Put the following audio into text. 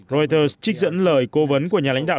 reuters trích dẫn lời cố vấn của nhà lãnh đạo